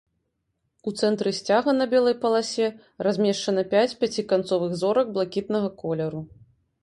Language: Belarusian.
У цэнтры сцяга на белай паласе размешчана пяць пяціканцовых зорак блакітнага колеру.